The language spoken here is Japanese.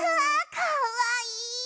かわいい。